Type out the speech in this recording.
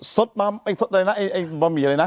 ซดอะไรน่ะมันพอมีเลยนะ